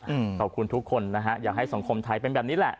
ขอบคุณทุกคนนะฮะอยากให้สังคมไทยเป็นแบบนี้แหละ